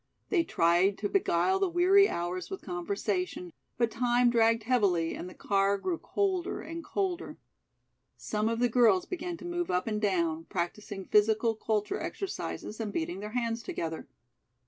They tried to beguile the weary hours with conversation, but time dragged heavily and the car grew colder and colder. Some of the girls began to move up and down, practicing physical culture exercises and beating their hands together.